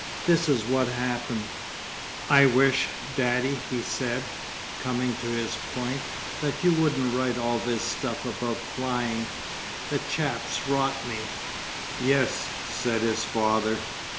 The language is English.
This is what happened. 'I wish, Daddy,' he said, coming to his point, 'that you wouldn't write all this stuff about flying. The chaps rot me.' 'Yes!' said his father.